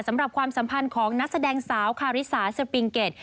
ความสัมพันธ์ของนักแสดงสาวคาริสาสปิงเก็ต